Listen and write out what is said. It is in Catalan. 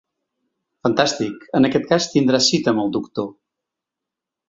Fantàstic, en aquest cas tindrà cita amb el doctor.